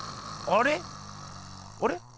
あれ？